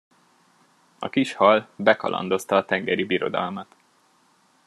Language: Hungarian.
A kis hal bekalandozta a tengeri birodalmat.